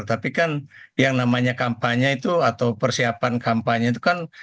tapi kan yang namanya kampanye itu atau persiapan kampanye itu kan